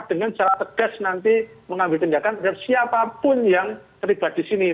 dengan cara tegas nanti mengambil tindakan terhadap siapapun yang terlibat di sini